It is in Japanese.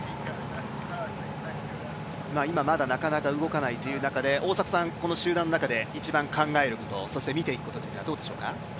今、まだなかなか動かないという中でこの集団の中で一番、考えることそして見ていくことというとどうでしょうか。